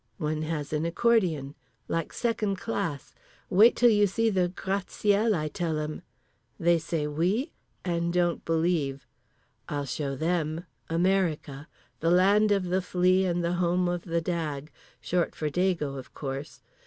One has an accordion. Like second class. Wait till you see the gratte ciel, I tell 'em. They say "Oui?" and don't believe. I'll show them. America. The land of the flea and the home of the dag'—short for dago of course.